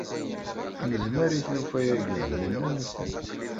Nezmer i tlufa-agi, nennum-itent.